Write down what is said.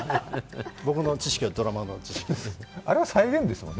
僕の知識はドラマの知識です。